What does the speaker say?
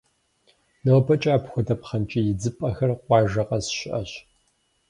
Нобэкӏэ апхуэдэ пхъэнкӏий идзыпӏэхэр къуажэ къэс щыӏэщ.